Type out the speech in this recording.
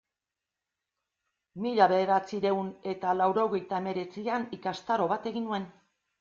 Mila bederatziehun eta laurogeita hemeretzian ikastaro bat egin nuen.